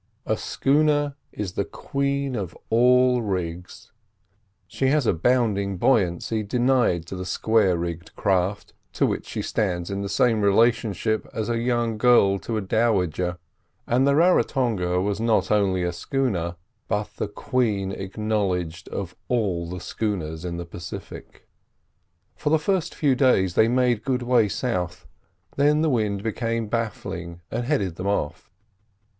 A schooner is the queen of all rigs; she has a bounding buoyancy denied to the square rigged craft, to which she stands in the same relationship as a young girl to a dowager; and the Raratonga was not only a schooner, but the queen, acknowledged of all the schooners in the Pacific. For the first few days they made good way south; then the wind became baffling and headed them off.